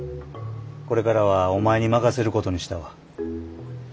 これからはお前に任せることにしたわ。